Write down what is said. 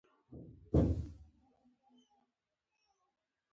د ځمکې سویه سطح هغه ده چې عمودي خط پکې نورمال وي